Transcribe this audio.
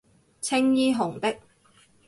青衣紅的